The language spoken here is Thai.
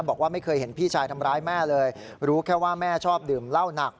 บอกว่าไม่เคยเห็นพี่ชายทำร้ายแม่เลยรู้แค่ว่าแม่ชอบดื่มเหล้าหนัก